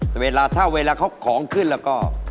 แต่เวลาถ้าเวลาเขาของขึ้นแล้วก็